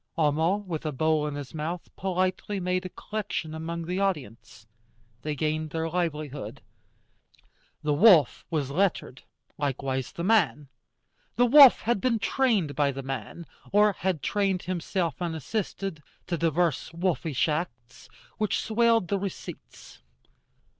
Homo, with a bowl in his mouth, politely made a collection among the audience. They gained their livelihood. The wolf was lettered, likewise the man. The wolf had been trained by the man, or had trained himself unassisted, to divers wolfish arts, which swelled the receipts.